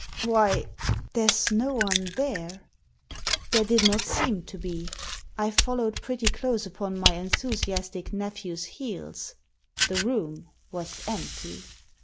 Why— there's no one there !" There did not seem to be. I followed pretty close upon my enthusiastic nephew's heels. The room was empty.